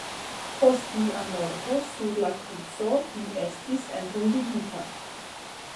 Post lia morto sur la kruco, li estis entombigita.